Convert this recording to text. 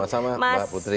sama sama mbak putri